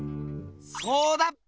そうだっぺ！